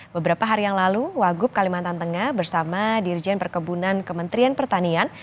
beberapa hari yang lalu wagub kalimantan tengah bersama dirjen perkebunan kementerian pertanian